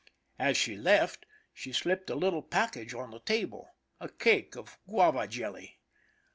As she left, she slipped a little package on the table, a cake of guava jelly.